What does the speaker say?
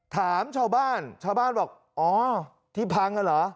ถามชาวบ้านชาวบ้านบอกอ๋อที่พังอ่ะเหรอ